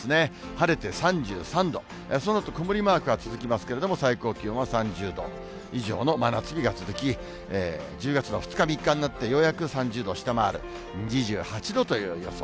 晴れて３３度、そのあと曇りマークが続きますけれども、最高気温は３０度以上の真夏日が続き、１０月の２日、３日になって、ようやく３０度を下回る、２８度という予想